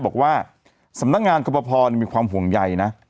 บอกว่าสำนักงานกรปภมีความห่วงใยนะ